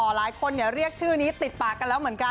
หลายคนเรียกชื่อนี้ติดปากกันแล้วเหมือนกัน